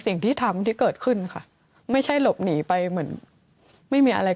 สิ่งที่ทำที่เกิดขึ้นค่ะไม่ใช่หลบหนีไปเหมือนไม่มีอะไร